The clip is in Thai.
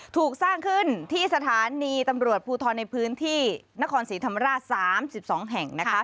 ถูกสร้างขึ้นที่สถานีตำรวจภูทรในพื้นที่นครศรีธรรมราช๓๒แห่ง